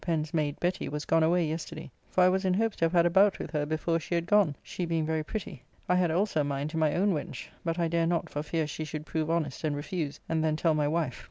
Pen's maid Betty was gone away yesterday, for I was in hopes to have had a bout with her before she had gone, she being very pretty. I had also a mind to my own wench, but I dare not for fear she should prove honest and refuse and then tell my wife.